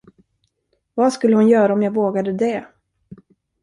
Vad skulle hon göra, om jag vågade det?